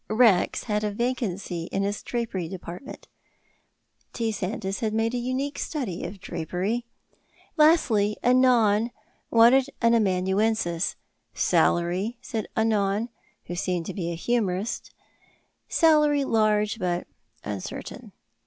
"Rex" had a vacancy in his drapery department. T. Sandys had made a unique study of drapery. Lastly, "Anon" wanted an amanuensis. "Salary," said "Anon," who seemed to be a humourist, "salary large but uncertain."